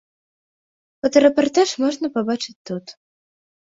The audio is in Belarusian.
Фотарэпартаж можна пабачыць тут.